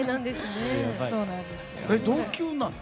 同級なの？